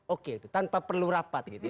oke itu tanpa perlu rapat gitu ya